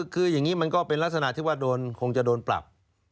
คืออย่างนี้มันก็เป็นลักษณะที่ว่าคงจะโดนปรับ